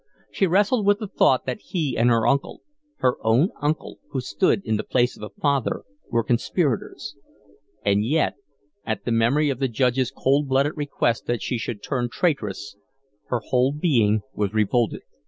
She wrestled with the thought that he and her uncle, her own uncle who stood in the place of a father, were conspirators. And yet, at memory of the Judge's cold blooded request that she should turn traitress, her whole being was revolted.